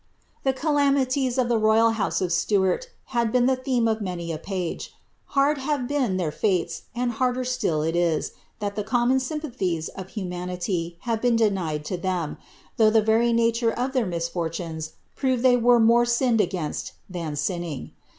The calamities of the royal honse of Siuarl have been the (beiM af many n page. Hard have been their fates, and harder blUI it is, iliatibt common aympathiea of humanity have been denied lo ihem, ihongh tb« very nature of their misfi ley were more sinned aptDtt than sinning.